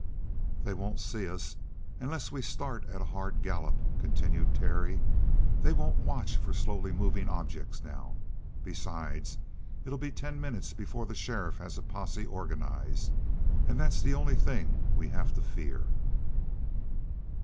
"They won't see us unless we start at a hard gallop," continued Terry. "They won't watch for slowly moving objects now. Besides, it'll be ten minutes before the sheriff has a posse organized. And that's the only thing we have to fear."